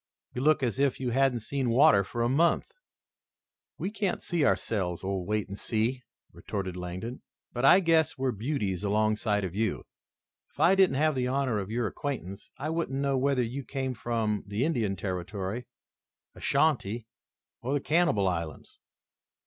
"You look as if you hadn't seen water for a month." "We can't see ourselves, old Wait and See," retorted Langdon, "but I guess we're beauties alongside of you. If I didn't have the honor of your acquaintance, I wouldn't know whether you came from the Indian Territory, Ashantee or the Cannibal Islands."